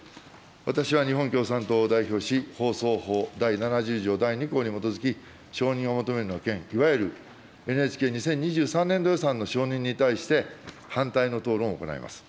私は日本共産党を代表し、放送法第７０条第２項に基づき、承認を求めるの件、いわゆるＮＨＫ２０２３年度予算の承認に対して、反対の討論を行います。